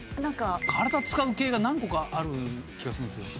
体を使う系が何個かある気がするんですよ。